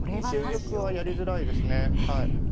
４九玉はやりづらいですね。